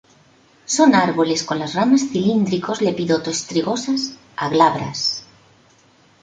Son árboles, con las ramas cilíndricos, lepidoto-strigosas a glabras.